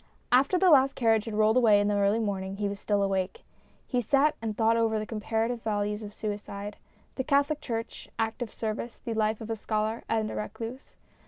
After the last carriage had rolled away in the early morning, he was still awake. He sat and thought over the comparative values of suicide, the Catholic Church, active service, the life of a scholar and a recluse.